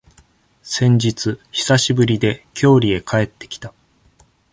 先日、久しぶりで、郷里へ帰ってきた。